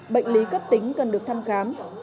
bệnh lý cấp tính cần được thăm khám